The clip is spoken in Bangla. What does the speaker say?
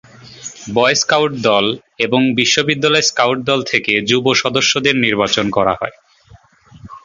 বয় স্কাউট দল এবং বিশ্ববিদ্যালয় স্কাউট দল থেকে যুব সদস্যদের নির্বাচন করা হয়।